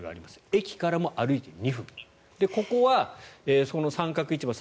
駅からも歩いて２分ここは三角市場